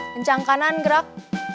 kencang kanan gerak